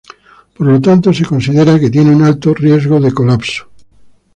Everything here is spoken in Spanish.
Por lo tanto, se considera que tiene un alto riesgo de colapso.